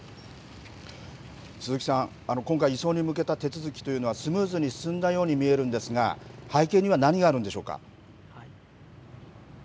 鈴木さん、今回、移送に向けた手続きというのは、スムーズに進んだように見えるんですが、背景には何があるんでしょうか。